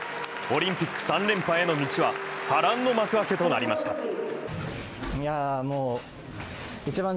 オリンピック３連覇への道は波乱の幕開きとなりました。